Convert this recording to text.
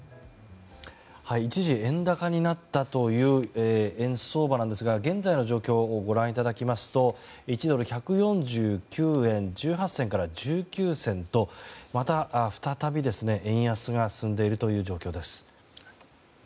一時、円高になったという円相場ですが現在の状況をご覧いただきますと１ドル＝１４９円１８銭から１９銭とまた、再び円安が進んでいる状況です。